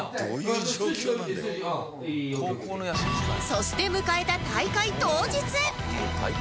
そして迎えた大会当日